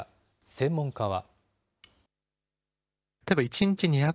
専門家は。